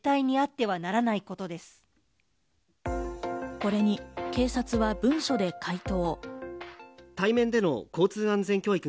これに警察は文書で回答。